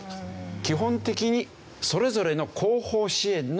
基本的にそれぞれの後方支援の調整役。